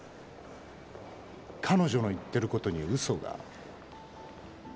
彼女の言ってることに嘘が？